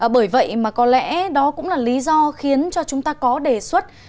bởi vậy mà có lẽ đó cũng là lý do khiến cho chúng ta có đề xuất